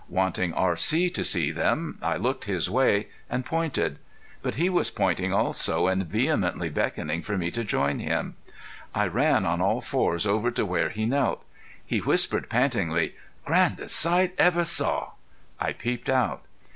Wanting R.C. to see them I looked his way, and pointed. But he was pointing also and vehemently beckoning for me to join him. I ran on all fours over to where he knelt. He whispered pantingly: "Grandest sight ever saw!" I peeped out.